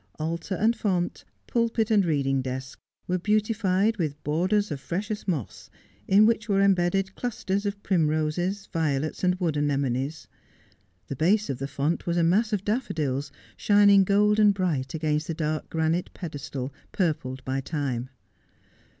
Altar and font, pulpit and reading desk, were beautified with borders of freshest moss, in which were embedded clusters of primroses, An Earnest Man. £21 violets, and wood anemones. The base of the font was a mass of daffodils, shining golden bright against the dark granite pedestal, purpled by time.